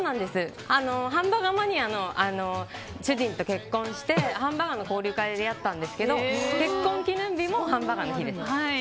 ハンバーガーマニアの主人と結婚してハンバーガーの交流会で出会ったんですけど結婚記念日もハンバーガーの日です。